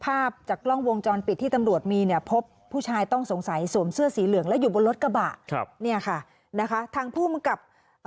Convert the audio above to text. ภาพจากกล้องวงจรปิดที่ตำรวจมีเนี่ยพบผู้ชายต้องสงสัยสวมเสื้อสีเหลืองแล้วอยู่บนรถกระบะครับเนี่ยค่ะนะคะทางผู้มังกับ